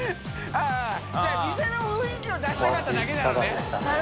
◆舛だから店の雰囲気を出したかっただけなのね？